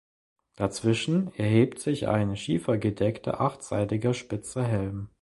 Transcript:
Dazwischen erhebt sich ein schiefergedeckter achtseitiger spitzer Helm.